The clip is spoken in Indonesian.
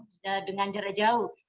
jangan dengan jarak jauh